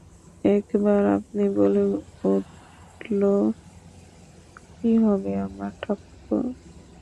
একবার আপনি বলে উঠল, কী হবে আমার ঠাকুরপো!